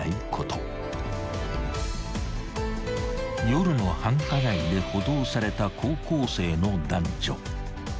［夜の繁華街で補導された高校生の男女］